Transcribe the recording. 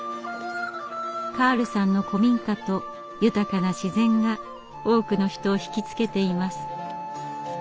カールさんの古民家と豊かな自然が多くの人を引き付けています。